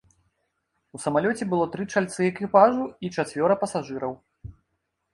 У самалёце было тры чальцы экіпажу і чацвёра пасажыраў.